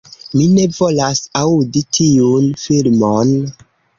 "Mi ne volas aŭdi tiun filmon!"